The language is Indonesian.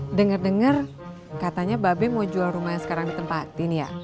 eh denger denger katanya babe mau jual rumah yang sekarang ditempatin ya